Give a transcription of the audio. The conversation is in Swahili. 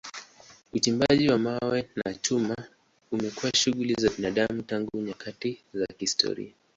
Uchimbaji wa mawe na chuma imekuwa shughuli za binadamu tangu nyakati za kihistoria.